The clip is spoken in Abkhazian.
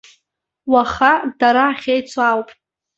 Уаха дара ахьеицу ауп!